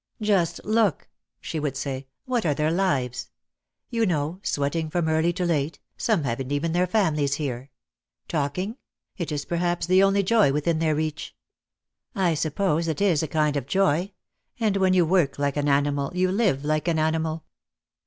"Just look," she would say, "what are their lives? You know, sweating from early to late, some haven't even their families here. Talking? It is perhaps the only joy within their reach. I suppose it is a kind of joy, and when you work like an animal you live like an animal."